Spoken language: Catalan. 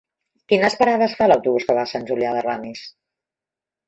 Quines parades fa l'autobús que va a Sant Julià de Ramis?